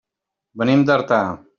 Venim d'Artà.